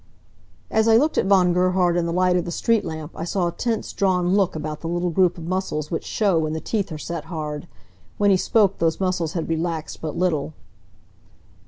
As I looked at Von Gerhard in the light of the street lamp I saw a tense, drawn look about the little group of muscles which show when the teeth are set hard. When he spoke those muscles had relaxed but little.